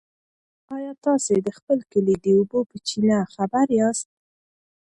ایا تاسي د خپل کلي د اوبو په چینه خبر یاست؟